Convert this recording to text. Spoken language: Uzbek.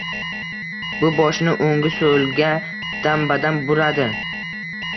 Bu boshini o’ngu so’lga dam-badam buradi.